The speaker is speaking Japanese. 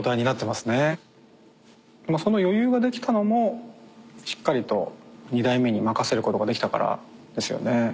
まあその余裕が出来たのもしっかりと２代目に任せることができたからですよね。